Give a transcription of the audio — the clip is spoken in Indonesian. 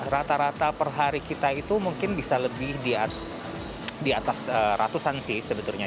rata rata per hari kita itu mungkin bisa lebih di atas ratusan sih sebetulnya